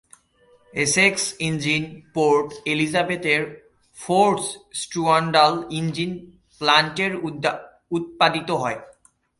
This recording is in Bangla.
এসেক্স ইঞ্জিন পোর্ট এলিজাবেথের ফোর্ডস স্ট্রুয়ান্ডাল ইঞ্জিন প্ল্যান্টে উৎপাদিত হয়।